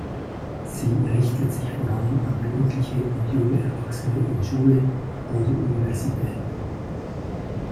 Sie richtet sich vor allem an Jugendliche und junge Erwachsene in Schule oder Universität.